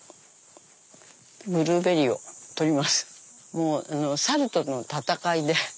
もう猿との戦いで。